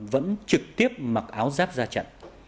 vẫn trực tiếp mặc áo giáp ra trận